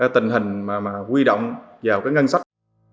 tình hình mà quy động vào cái ngân sách